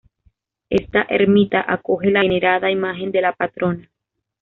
Esta ermita acoge la venerada imagen de la patrona.